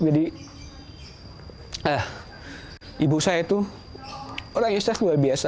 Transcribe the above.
jadi ibu saya itu orang yang istri saya